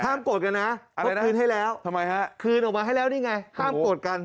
ห้ามโกรธกันนะต้องคืนให้แล้วคืนออกมาให้แล้วนี่ไงห้ามโกรธกัน